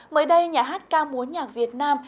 mới đây nhà hát ca múa nhạc việt nam